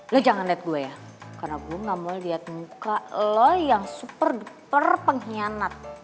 lo jangan lihat gue ya karena gue gak mau lihat muka lo yang super pengkhianat